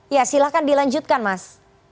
ya silakan dilanjutkan mas